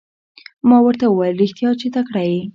ما ورته وویل رښتیا چې تکړه یې.